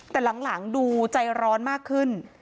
แต่หลังดูใจร้อนมากขึ้น